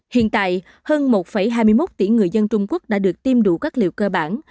hiện tại hơn một hai mươi một tỷ người dân trung quốc đã được tiêm đủ các liệu cơ bản